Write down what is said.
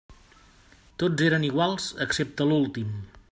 Tots eren iguals excepte l'últim.